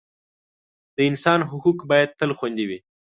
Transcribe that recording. د انسان حقوق باید تل خوندي وي.